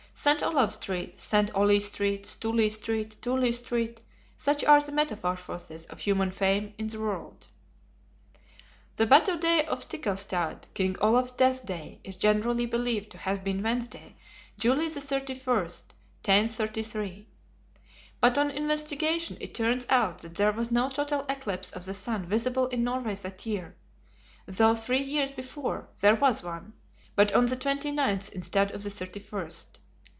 Saint Olave Street, Saint Oley Street, Stooley Street, Tooley Street; such are the metamorphoses of human fame in the world! The battle day of Stickelstad, King Olaf's death day, is generally believed to have been Wednesday, July 31, 1033. But on investigation, it turns out that there was no total eclipse of the sun visible in Norway that year; though three years before, there was one; but on the 29th instead of the 31st.